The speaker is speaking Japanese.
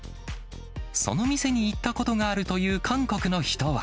その店に行ったことがあるという韓国の人は。